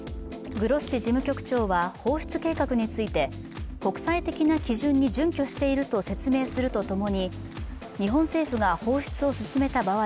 グロッシ事務局長は放出計画について国際的な基準に準拠していると説明するとともに、日本政府が放出を進めた場合